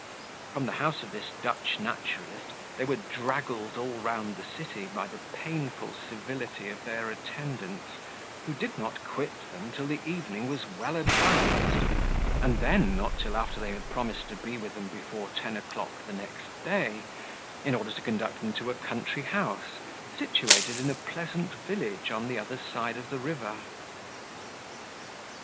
From the house of this Dutch naturalist, they were draggled all round the city by the painful civility of their attendants, who did not quit them till the evening was well advanced, and then not till after they had promised to be with them before ten o'clock next day, in order to conduct them to a country house, situated in a pleasant village on the other side of the river.